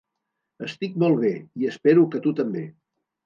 Estic molt bé i espero que tu també.